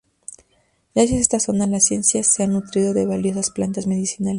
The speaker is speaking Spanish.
Gracias a esta zona la ciencia se ha nutrido de valiosas plantas medicinales.